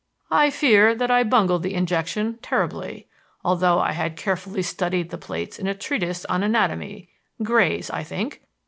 "I fear that I bungled the injection terribly, although I had carefully studied the plates in a treatise on anatomy Gray's, I think.